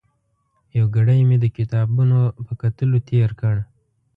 یو ګړی مې د کتابونو په کتلو تېر کړ.